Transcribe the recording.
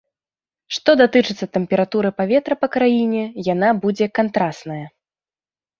Што датычыцца тэмпературы паветра па краіне, яна будзе кантрасная.